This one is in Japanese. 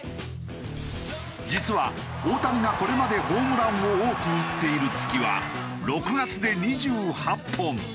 実は大谷がこれまでホームランを多く打っている月は６月で２８本。